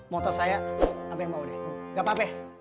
motor saya apa yang mau deh gak apa apa